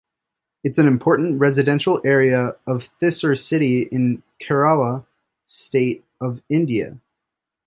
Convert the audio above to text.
It's an important residential area of Thrissur city of Kerala state of India.